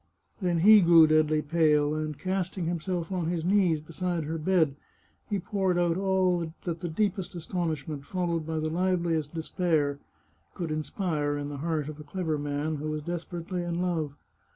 Then he grew deadly pale, and, casting himself on his knees beside her bed, he poured out all that the deepest astonishment, followed by the liveliest despair, could inspire in the heart of a clever man who was desperately in love.